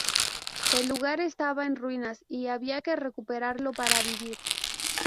El lugar estaba en ruinas y había que recuperarlo para vivir.